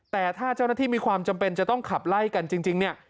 แต่ถ้าเจ้าหน้าที่มีความจำเป็นจะต้องขับไล่กันจริงเนี่ย